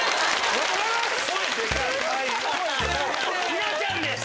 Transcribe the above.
稲ちゃんです！